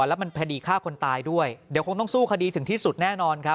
และมันพระดีฆากคนตายด้วยจะคงต้องสู้คดีถึงที่สุดแน่นอน